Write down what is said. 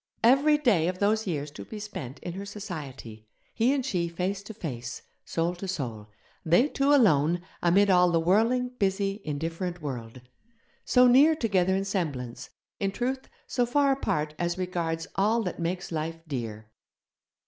Every day of those years to be spent in her society; he and she face to face, soul to soul; they two alone amid all the whirling, busy, indifferent world. So near together in semblance; in truth, so far apart as regards all that makes life dear.